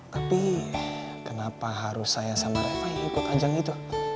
tapi kenapa harus saya sama reva yang ikut ajang itu